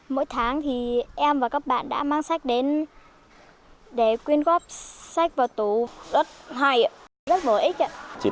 mỗi tháng thì em và các bạn đã mang sách đến để quyên góp sách vào tú rất hay rất bổ ích